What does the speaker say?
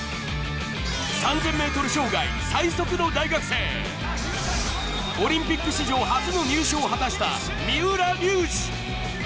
３０００ｍ障害最速の大学生、オリンピック史上初の入賞を果たした三浦龍司。